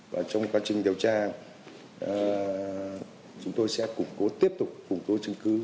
và trong quá trình điều tra chúng tôi sẽ tiếp tục củng cố chứng cứ